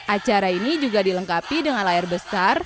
acara ini juga dilengkapi dengan layar besar